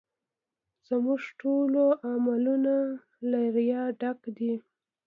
زموږ ټول عملونه له ریا ډک دي